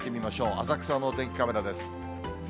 浅草のお天気カメラです。